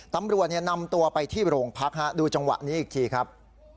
ตำรวจนำตัวไปที่โรงพักฮะดูจังหวะนี้อีกทีครับ